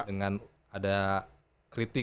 dengan ada kritik ya